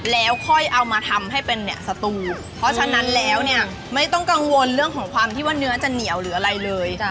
แล้วค่อยเอามาทำให้เป็นเนี่ยสตูเพราะฉะนั้นแล้วเนี่ยไม่ต้องกังวลเรื่องของความที่ว่าเนื้อจะเหนียวหรืออะไรเลย